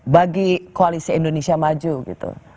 bagi koalisi indonesia maju gitu